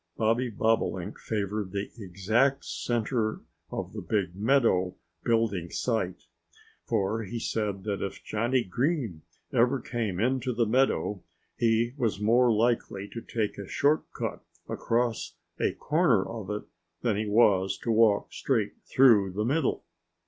Bobby Bobolink favored the exact center of the big meadow building site, for he said that if Johnnie Green ever came into the meadow he was more likely to take a short cut across a corner of it than he was to walk straight through the middle.